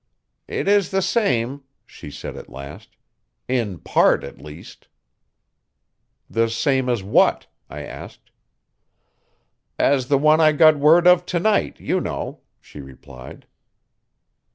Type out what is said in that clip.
"It is the same," she said at last; "in part, at least." "The same as what?" I asked. "As the one I got word of to night, you know," she replied.